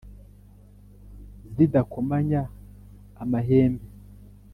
zidakomanya amahembe